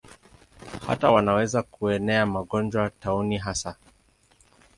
Hata wanaweza kuenea magonjwa, tauni hasa.